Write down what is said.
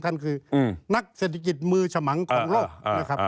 นั่นคือนักเศรษฐกิจมือฉมังของโลกนะครับ